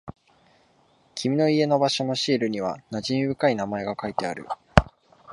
君の家の場所のシールには馴染み深い名前が書いてある。